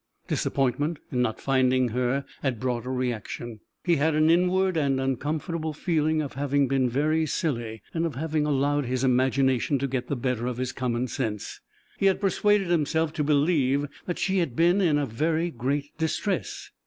Disappointment in not finding her had brought a reaction. He had an inward and uncomfortable feeling of having been very silly, and of having allowed his imagination to get the better of his common sense. He had persuaded himself to believe that she had been in very great distress.